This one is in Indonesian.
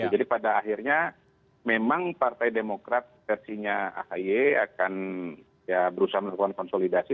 jadi pada akhirnya memang partai demokrat versinya ahy akan berusaha mengeluarkan konsolidasi